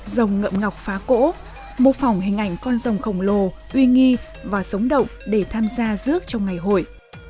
dòng ngậm ngọc phá cỗ mô phỏng hình ảnh con rồng khổng lồ uy nghi và sống động để tham gia rước trong ngày hội